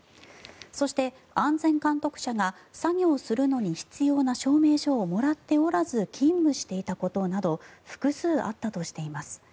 そして安全監督者が作業するのに必要な証明書をもらっておらず勤務していたことなど複数あったとしています。